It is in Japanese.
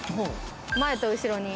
前と後ろに。